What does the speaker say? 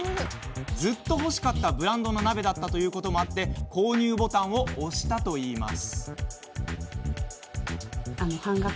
ずっと欲しかったブランドの鍋だったということもあって購入ボタンを押したといいます。